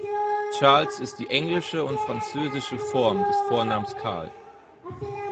Charles ist die englische und französische Form des Vornamens Karl.